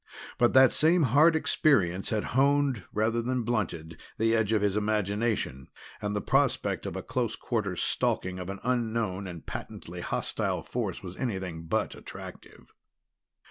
But that same hard experience had honed rather than blunted the edge of his imagination, and the prospect of a close quarters stalking of an unknown and patently hostile force was anything but attractive.